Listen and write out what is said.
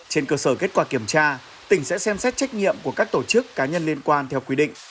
trên cơ sở kết quả kiểm tra tỉnh sẽ xem xét trách nhiệm của các tổ chức cá nhân liên quan theo quy định